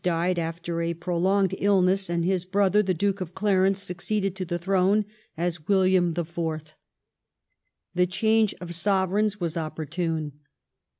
died after a prolonged illness, and his brother, the Duke of Clarence, succeeded to the throne as William IV. The change of Sovereigns was opportune.